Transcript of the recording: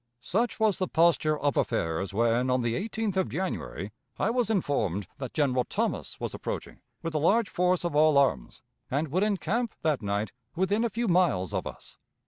"Such was the posture of affairs, when, on the 18th of January, I was informed that General Thomas was approaching with a large force of all arms, and would encamp that night within a few miles of us.